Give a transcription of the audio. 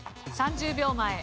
３０秒前。